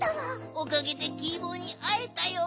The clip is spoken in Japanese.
おかげでキー坊にあえたよ！